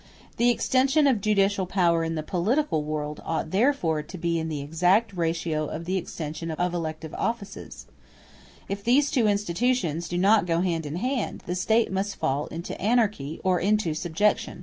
The extension of judicial power in the political world ought therefore to be in the exact ratio of the extension of elective offices: if these two institutions do not go hand in hand, the State must fall into anarchy or into subjection.